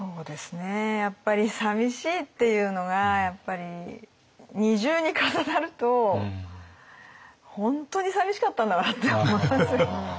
やっぱりさみしいっていうのがやっぱり二重に重なると本当にさみしかったんだなって思います。